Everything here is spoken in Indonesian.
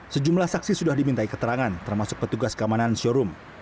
sejumlah saksi sudah dimintai keterangan termasuk petugas keamanan showroom